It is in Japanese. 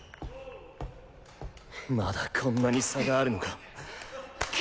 まだこんなに差があるのか。